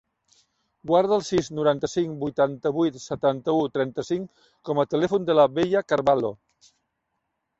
Guarda el sis, noranta-cinc, vuitanta-vuit, setanta-u, trenta-cinc com a telèfon de la Bella Carvalho.